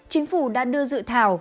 chính phủ đã đưa dự thảo